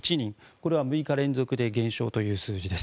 これは６日連続で減少という数字です。